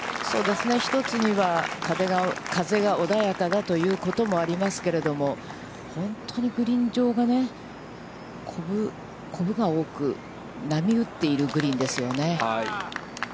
１つには、風が穏やかだということもありますけれども、本当にグリーン上がね、こぶが多く、波打っているグリーンですよね。